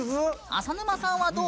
浅沼さんはどう？